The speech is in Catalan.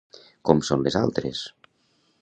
Com són les altres?